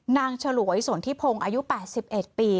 นางฉะโหลยสนทิพงอายุ๘๑ปี